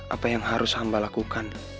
apa yang harus hamba lakukan